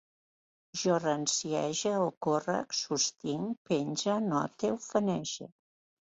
Jo ranciege, ocórrec, sostinc, penge, note, ufanege